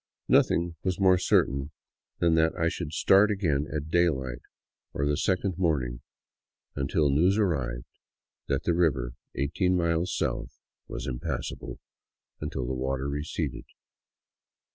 Nothing was more certain than that I should start again at daylight of the second morning — until news ar rived that the river eighteen miles south was impassable until the waters receded.